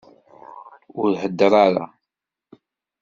Ur heddeṛ ara!